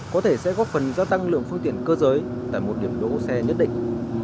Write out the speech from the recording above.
có thể sẽ góp phần gia tăng lượng phương tiện cơ giới tại một điểm đỗ xe nhất định